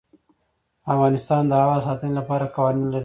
افغانستان د هوا د ساتنې لپاره قوانین لري.